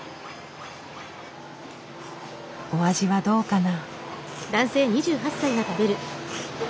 お味はどうかな？